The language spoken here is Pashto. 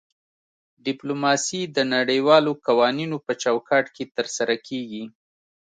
ډیپلوماسي د نړیوالو قوانینو په چوکاټ کې ترسره کیږي